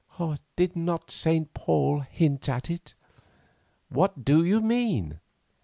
Did not St. Paul hint at it?" "What do you mean?"